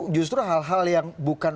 justru hal hal yang bukan